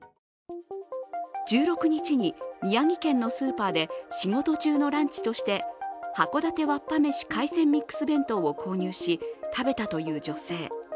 １６日に、宮城県のスーパーで仕事中のランチとして函館わっぱめし海鮮ミックス弁当を購入し食べたという女性。